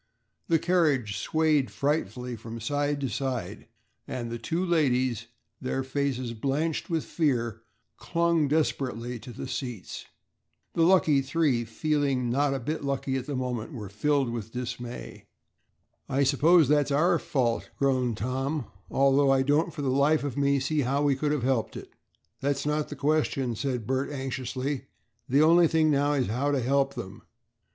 The carriage swayed frightfully from side to side, and the two ladies, their faces blanched with fear, clung desperately to the seats. The "lucky three," feeling not a bit lucky at that moment, were filled with dismay. "I suppose that's our fault," groaned Tom, "although I don't for the life of me see how we could have helped it." "That's not the question," said Bert, anxiously, "the only thing now is how to help them."